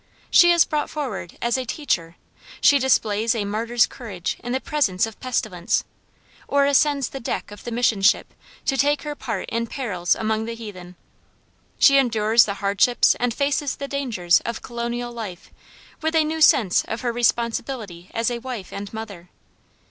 She is brought forward as a teacher; she displays a martyr's courage in the presence of pestilence, or ascends the deck of the mission ship to take her part in "perils among the heathen." She endures the hardships and faces the dangers of colonial life with a new sense of her responsibility as a wife and mother.